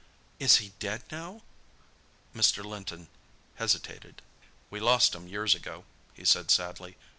"Is he dead now?" Mr. Linton hesitated. "We lost him years ago," he said sadly.